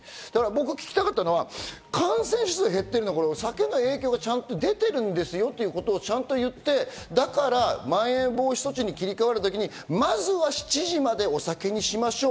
僕が聞きたかったのは、感染者数が減ってるのは酒の影響がちゃんと出てるんですよということを言って、だからまん延防止措置に切り替わるときに、まずは７時までお酒にしましょう。